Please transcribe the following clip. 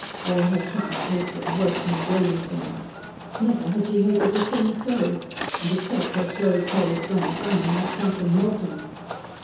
All her child hatred woke and blazed in her. Never had she hated a thing so, and it set her slow, cold blood running like something molten.